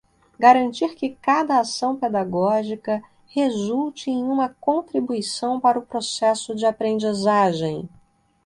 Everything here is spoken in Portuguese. garantir que cada ação pedagógica resulte em uma contribuição para o processo de aprendizagem